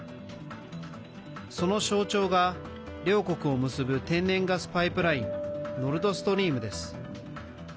その象徴が、両国を結ぶ天然ガスパイプラインノルドストリームです。